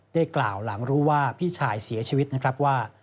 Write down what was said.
ได้กล่าวหลังรู้ว่าพี่ชายเสียชีวิตนะครับว่า